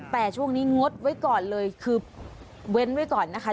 แต่ช่วงนี้งดไว้ก่อนเลยคือเว้นไว้ก่อนนะคะ